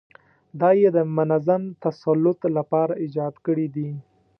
دا یې د منظم تسلط لپاره ایجاد کړي دي.